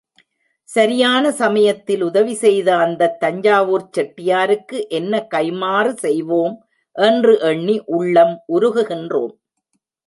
சரியான சமயத்தில் உதவி செய்த அந்தத் தஞ்சாவூர்ச் செட்டியாருக்கு என்ன கைம்மாறு செய்வோம்! என்று எண்ணி உள்ளம் உருகுகின்றோம்.